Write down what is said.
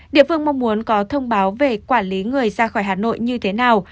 địa phương mong muốn có thông báo về quản lý người ra khỏi hà nội như thế nào